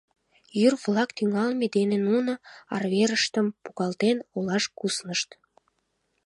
Йӱр-влак тӱҥалме дене нуно, арверыштым погалтен, олаш куснышт.